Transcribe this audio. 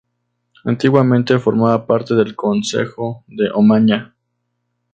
Antiguamente formaba parte del concejo de Omaña.